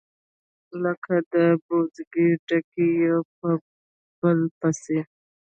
لكه د پوزکي ډَکي يو په بل پسي،